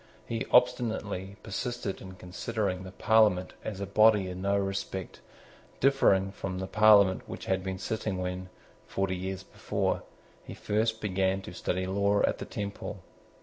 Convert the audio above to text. He obstinately persisted in considering the Parliament as a body in no respect differing from the Parliament which had been sitting when, forty years before, he first began to study law at the Temple.